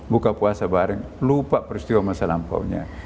buka puasa bareng lupa peristiwa masa lampaunya